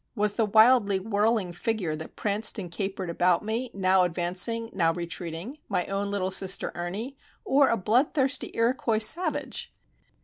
Was the wildly whirling figure that pranced and capered about me, now advancing, now retreating, my own little sister Ernie, or a bloodthirsty Iroquois savage?